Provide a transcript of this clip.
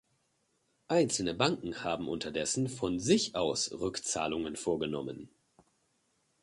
Einzelne Banken haben unterdessen von sich aus Rückzahlungen vorgenommen.